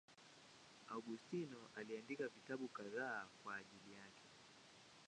Augustino aliandika vitabu kadhaa kwa ajili yake.